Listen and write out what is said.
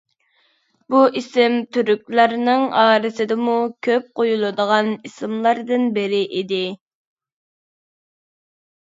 بۇ ئىسىم تۈركلەرنىڭ ئارىسىدىمۇ كۆپ قويۇلىدىغان ئىسىملاردىن بىرى ئىدى.